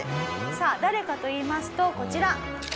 さあ誰かといいますとこちら。